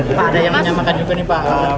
pak ada yang menyamakan juga nih